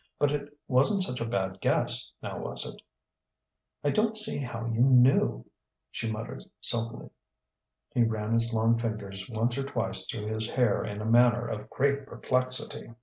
But it wasn't such a bad guess now was it?" "I don't see how you knew," she muttered sulkily. He ran his long fingers once or twice through his hair in a manner of great perplexity.